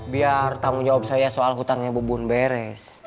biar tanggung jawab saya soal hutangnya bebun beres